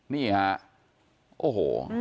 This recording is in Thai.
เนี่ยคะโอ้โฮ